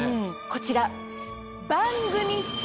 こちら。